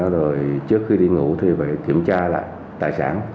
rồi trước khi đi ngủ thì phải kiểm tra lại tài sản